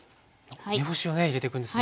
梅干しをね入れていくんですね。